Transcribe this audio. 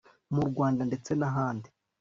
mu rwanda ndetse nahandi